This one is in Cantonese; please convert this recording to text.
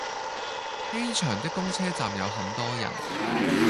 機場的公車站有很多人